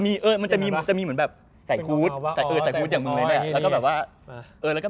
ไม่มันจะมีเหมือนแบบใส่ฟุตใส่ฟุตอย่างมึงเลยนะ